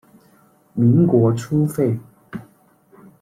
民国初废。